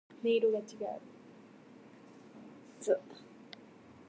月の光に照らされ、竹林が揺れていた。